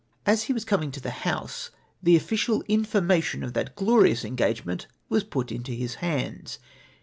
As lie was coming to the House the ojjicial information of that glorious engagement v: as put into his hands